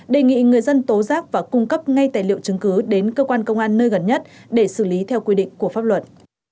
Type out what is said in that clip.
đề nghị người dân tố giác và cung cấp ngay tài liệu chứng cứ đến cơ quan công an nơi gần nhất để xử lý theo quy định của pháp luật